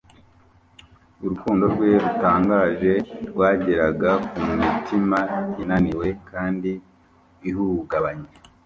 Urukundo rwe rutangaje rwageraga ku mitima inaniwe kandi ihurugabanye.